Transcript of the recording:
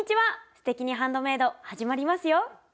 「すてきにハンドメイド」始まりますよ。